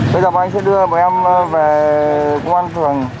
bây giờ bọn anh sẽ đưa bọn em về quân an phường